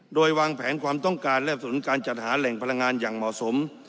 โดยวางแผนความต้องการแลบสนุนการจัดหาแหล่งพลังงานอย่างเหมาะสม